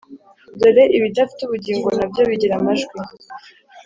dore ibidafite ubugingo na byo bigira amajwi